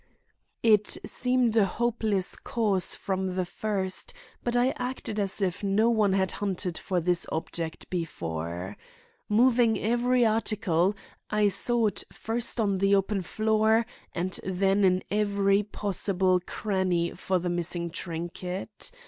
It seemed a hopeless cause from the first, but I acted as if no one had hunted for this object before. Moving every article, I sought first on the open floor and then in every possible cranny for the missing trinket.